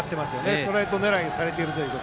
ストレート狙いをされていると。